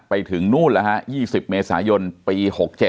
ไปถึงนู่น๒๐เมษายนปี๖๗